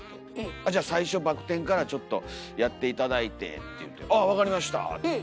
「あっじゃ最初バク転からちょっとやって頂いて」って言うて「あ分かりました」って。